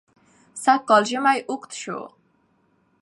سژ کال ژمى وژد سو